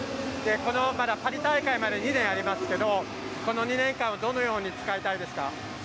パリ大会まで２年ありますけどこの２年間をどのように使いたいですか？